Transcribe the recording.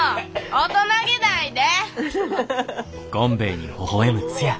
大人げないで！